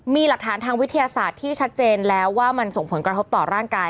มีหลักฐานทางวิทยาศาสตร์ที่ชัดเจนแล้วว่ามันส่งผลกระทบต่อร่างกาย